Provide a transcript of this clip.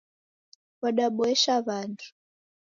Wadaboesha wandu